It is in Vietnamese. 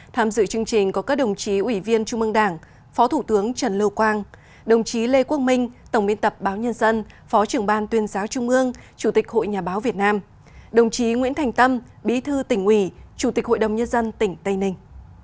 tham dự chương trình có các đồng chí ủy viên trung mương đảng phó thủ tướng trần lưu quang đồng chí lê quốc minh tổng biên tập báo nhân dân phó trưởng ban tuyên giáo trung ương chủ tịch hội nhà báo việt nam đồng chí nguyễn thành tâm bí thư tỉnh ủy chủ tịch hội đồng nhân dân tỉnh tây ninh